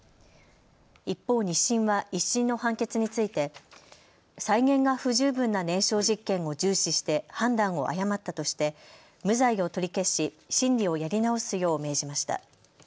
一方、２審は１審の判決について再現が不十分な燃焼実験を重視して判断を誤ったとして無罪を取り消し、審理をやり直すよう命じました。